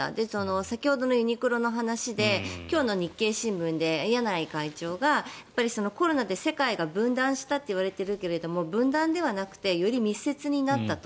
先ほどのユニクロの話で今日の日経新聞で柳井会長がコロナで世界が分断したといわれているけれど分断ではなくてより密接になったと。